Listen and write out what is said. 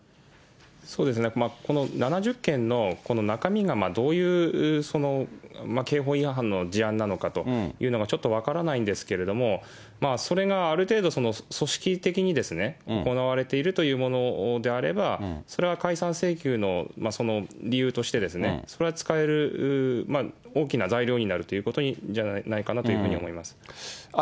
そうですね、この７０件のこの中身がどういう刑法違反の事案なのかとというのがちょっと分からないんですけれども、それがある程度、組織的に行われているというものであれば、それは解散請求の理由として、それは使える大きな材料になるということではないかと思います。